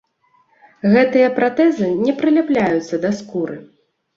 Гэтыя пратэзы не прыляпляюцца да скуры.